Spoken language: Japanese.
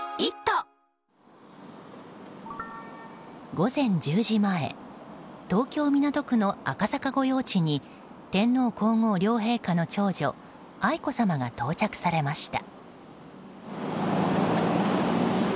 午前１０時前東京・港区の赤坂御用地に天皇・皇后両陛下の長女・愛子さまが到着されました。